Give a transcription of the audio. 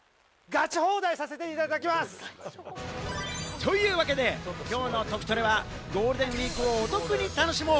というわけで、今日の「トクトレ」はゴールデンウイークをお得に楽しもう！